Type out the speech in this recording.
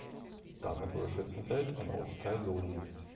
Damit wurde Schützenfeld ein Ortsteil Solingens.